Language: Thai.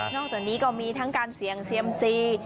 จากนี้ก็มีทั้งการเสี่ยงเซียมซี